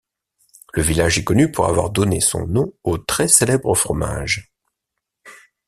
Le village est connu pour avoir donné son nom au très célèbre fromage.